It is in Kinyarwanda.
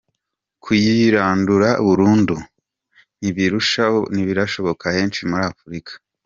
Kuyirandura burundu ntibirashoboka henshi muri Afrika.